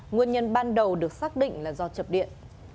nguyên nhân ban đầu được xác định là do chập điện